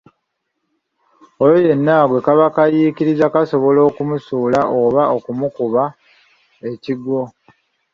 Oyo yenna gwe kaba kayiikirizza kasobola okumusuula oba okumukuba ekigwo.